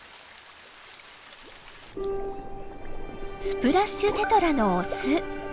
スプラッシュテトラのオス。